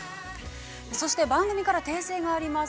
◆そして番組から訂正があります。